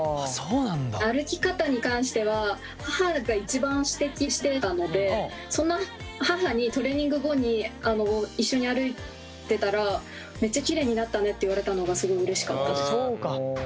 歩き方に関しては母が一番指摘してたのでその母にトレーニング後に一緒に歩いてたらめっちゃきれいになったねって言われたのがすごいうれしかったです。